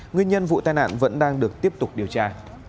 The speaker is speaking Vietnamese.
nguyên nhân vụ tai nạn vẫn đang được tiếp tục điều tra